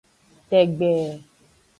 Tegbe.